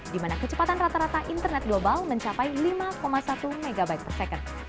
di mana kecepatan rata rata internet global mencapai lima satu megabyte per second